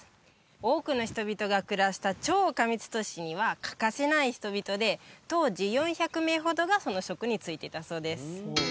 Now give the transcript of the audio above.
多くの人々が暮らした超過密都市には欠かせない人々で当時４００名ほどがその職に就いていたそうです